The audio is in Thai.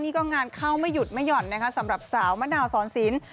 นี่ก็งานเข้าไม่หยุดไม่หย่อนนะคะสำหรับสาวมะนาวสอนศิลป์